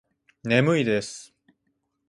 眠いです。